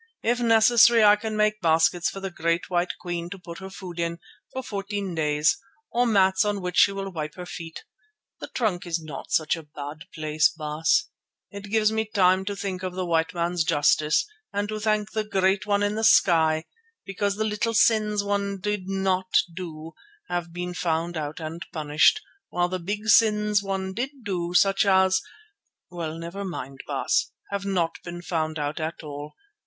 If necessary I can make baskets for the great white Queen to put her food in, for fourteen days, or mats on which she will wipe her feet. The trunk is not such a bad place, Baas. It gives time to think of the white man's justice and to thank the Great One in the Sky, because the little sins one did not do have been found out and punished, while the big sins one did do, such as—well, never mind, Baas—have not been found out at all.